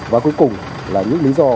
và cuối cùng là những lý do